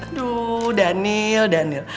aduh daniel daniel